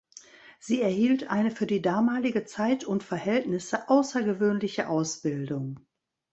Sie erhielt eine für die damalige Zeit und Verhältnisse außergewöhnliche Ausbildung.